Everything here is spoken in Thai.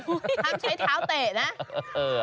ห้ามใช้เท้าเตะนะ